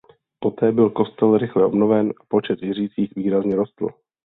Poté byl kostel rychle obnoven a počet věřících výrazně rostl.